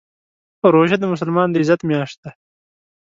روژه د مسلمان د عزت میاشت ده.